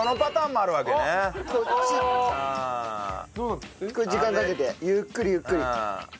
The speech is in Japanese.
これ時間かけてゆっくりゆっくり。